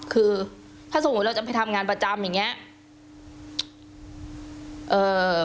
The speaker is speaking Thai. คือถ้าสมมุติเราจะไปทำงานประจำอย่างนี้